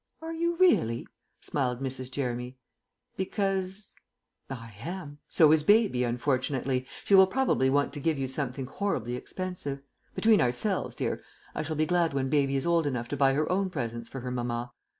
"Are you really?" smiled Mrs. Jeremy. "Because " "I am. So is Baby, unfortunately. She will probably want to give you something horribly expensive. Between ourselves, dear, I shall be glad when Baby is old enough to buy her own presents for her mamma.